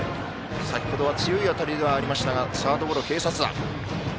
先程は強い当たりがありましたがサードゴロ、併殺打。